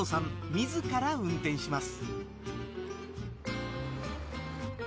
自ら運転します